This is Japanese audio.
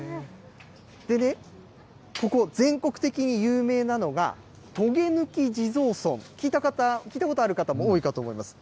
でね、ここ、全国的に有名なのが、とげぬき地蔵尊、聞いた方、聞いたことある方も多いかと思います。